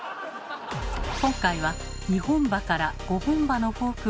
今回は２本歯から５本歯のフォークを用意。